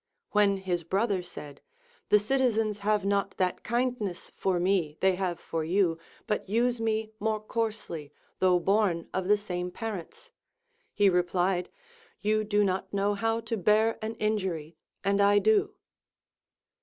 When his brother said, The citizens have not that kindness for me they have for you, but use me more coarse ly, though born of the same parents, he replied. You do not know how to bear an injury, and I do.